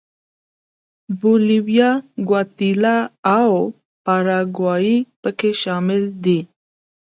بولیویا، ګواتیلا او پاراګوای په کې شامل دي.